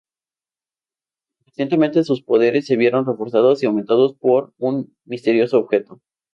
Recientemente, sus poderes se vieron reforzados y aumentados por un misterioso objeto.